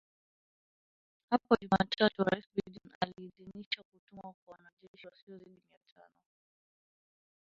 Hapo Jumatatu Rais Biden aliidhinisha kutumwa kwa wanajeshi wasiozidi mia tano